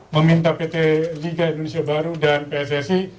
meminta pt liga indonesia baru dan pssi